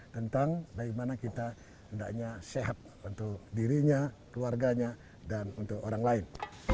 tentang bagaimana kita hendaknya sehat untuk dirinya keluarganya dan untuk orang lain